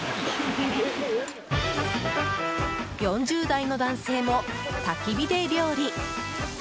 ４０代の男性も、たき火で料理。